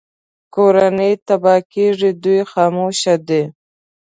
کورنۍ تباه کېږي دوی خاموش دي